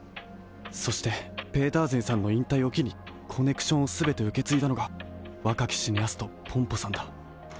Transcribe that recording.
そしてペーターゼンさんのいんたいをきにコネクションをすべてうけついだのがわかきシネアストポンポさんだ。